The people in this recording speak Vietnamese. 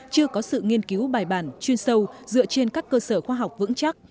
chưa có sự nghiên cứu bài bản chuyên sâu dựa trên các cơ sở khoa học vững chắc